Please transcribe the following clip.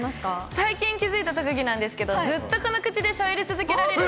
最近気付いた特技なんですけど、ずっとこの口でしゃべり続けられる。